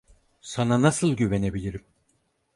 Sana nasıl güvenebilirim?